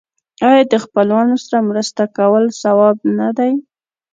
آیا د خپلوانو سره مرسته کول ثواب نه دی؟